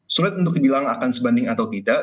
sulit untuk dibilang akan sebanding atau tidak